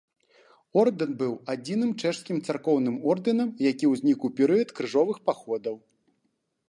Ордэн быў адзіным чэшскім царкоўным ордэнам, які ўзнік у перыяд крыжовых паходаў.